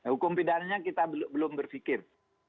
hukum pidananya kita belum berpikir